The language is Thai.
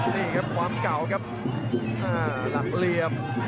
นี่ครับความเก่าครับหลักเหลี่ยม